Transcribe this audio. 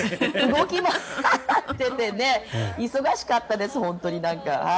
動き回っててね忙しかったです、なんか。